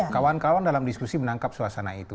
kawan kawan dalam diskusi menangkap suasana itu